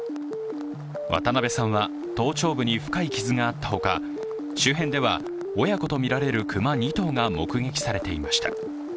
渡部さんは頭頂部に深い傷があったほか周辺では親子とみられる熊２頭が目撃されていました。